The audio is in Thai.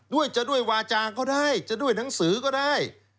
ด้วยจะด้วยวาจาก็ได้จะด้วยหนังสือก็ได้